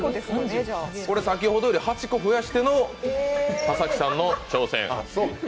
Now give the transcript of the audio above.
先ほどより８個増やしての田崎さんの挑戦。